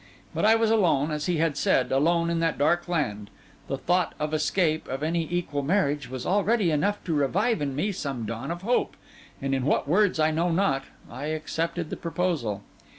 But I was alone, as he had said, alone in that dark land; the thought of escape, of any equal marriage, was already enough to revive in me some dawn of hope; and in what words I know not, I accepted the proposal.